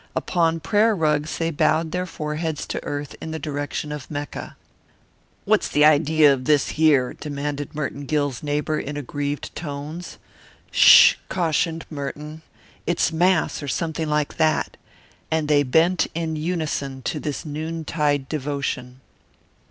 Upon prayer rugs they bowed their foreheads to earth in the direction of Mecca. "What's the idea of this here?" demanded Merton Gill's neighbour in aggrieved tones. "Ssh!" cautioned Merton. "It's Mass or something like that." And they bent in unison to this noon tide devotion.